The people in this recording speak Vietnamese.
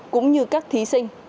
cũng như các thí sinh